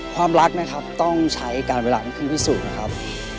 ความรักนะครับต้องใช้การเวลามันขึ้นพิสูจน์นะครับ